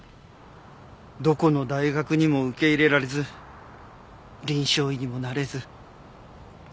どこの大学にも受け入れられず臨床医にもなれず塾講師も駄目で。